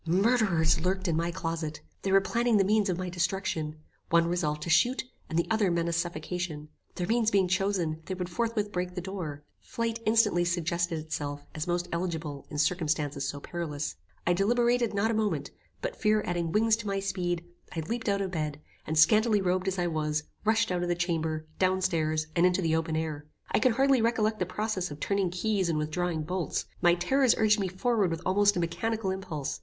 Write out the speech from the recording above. Murderers lurked in my closet. They were planning the means of my destruction. One resolved to shoot, and the other menaced suffocation. Their means being chosen, they would forthwith break the door. Flight instantly suggested itself as most eligible in circumstances so perilous. I deliberated not a moment; but, fear adding wings to my speed, I leaped out of bed, and scantily robed as I was, rushed out of the chamber, down stairs, and into the open air. I can hardly recollect the process of turning keys, and withdrawing bolts. My terrors urged me forward with almost a mechanical impulse.